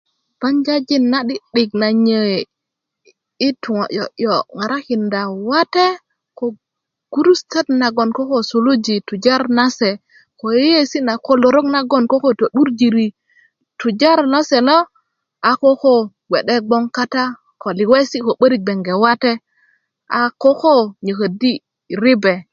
banjajin na 'di'dik na nyöee yi tuwo'yo'yo' ŋarakinda wate ko gurusutöt nagoŋ koko suluji tujar nase ko yeyeesi' na lolorok nagoŋ koko to'durjiri tujar nase na a koko gbe'de gboŋ ko liweesi' gbeŋge wate a koko nyököddi' ribe